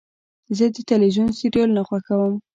زه د تلویزیون سریالونه خوښوم.